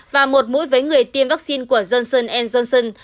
và một mũi với người tiêm vaccine của johnson johnson